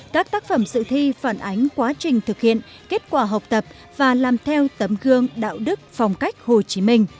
các tác phẩm dự thi phản ánh quá trình thực hiện kết quả học tập và làm theo tấm gương đạo đức phong cách hồ chí minh